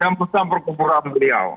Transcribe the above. dan besar perkumpulan beliau